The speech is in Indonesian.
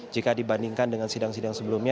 jika dibandingkan dengan sidang sidang sebelumnya